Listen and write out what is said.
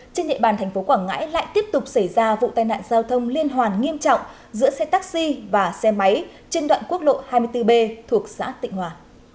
trên địa bàn thành phố quảng ngãi lại tiếp tục xảy ra vụ tai nạn giao thông liên hoàn nghiêm trọng giữa xe taxi và xe máy trên đoạn quốc lộ hai mươi bốn b thuộc xã tịnh hòa